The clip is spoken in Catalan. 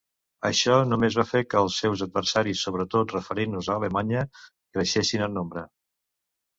Això només va fer que els seus adversaris, sobretot referint-nos a Alemanya, creixessin en nombre.